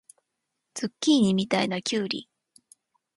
ズッキーニみたいなきゅうり